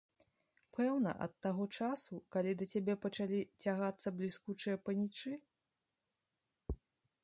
Пэўна, ад таго часу, калі да цябе пачалі цягацца бліскучыя панічы?